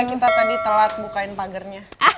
maaf ya kita tadi telat bukain pagernya